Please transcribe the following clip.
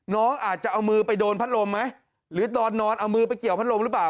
น้องอาจจะเอามือไปโดนพัดลมไหมหรือตอนนอนเอามือไปเกี่ยวพัดลมหรือเปล่า